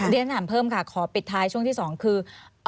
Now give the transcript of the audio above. เรียนถามเพิ่มค่ะขอปิดท้ายช่วงที่๒คือ